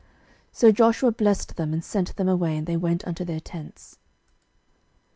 06:022:006 So Joshua blessed them, and sent them away: and they went unto their tents.